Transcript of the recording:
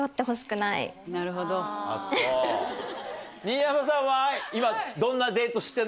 新山さんは今。